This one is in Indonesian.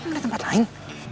ada tempat lain